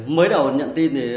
mới đầu nhận tin